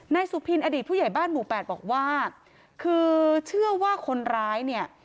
สุพินอดีตผู้ใหญ่บ้านหมู่แปดบอกว่าคือเชื่อว่าคนร้ายเนี่ย